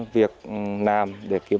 việc làm để